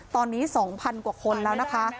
ตอนนี้๒๐๐๐กว่าคนแล้วนะคะ